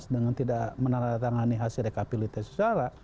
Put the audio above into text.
dengan tidak menandatangani hasilnya